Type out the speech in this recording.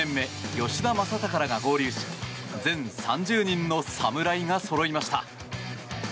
吉田正尚らが合流し全３０人の侍がそろいました。